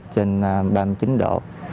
trên ba mươi chín độ